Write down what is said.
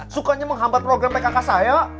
sukanya menghambat program pkk saya